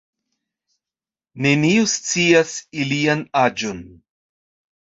Neniu scias ilian aĝon.